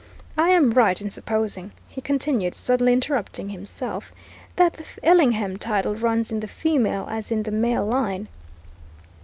I am right in supposing," he continued, suddenly interrupting himself, "that the Ellingham title runs in the female as in the male line?"